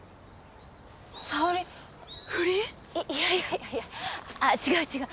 いやいやいやいや違う違う。